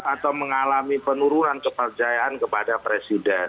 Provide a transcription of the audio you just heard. atau mengalami penurunan kepercayaan kepada presiden